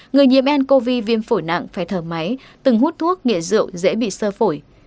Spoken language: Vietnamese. người nhiễm ncov viêm phổi nặng phải thở máy từng hút thuốc nghệ rượu dễ bị sơ phổi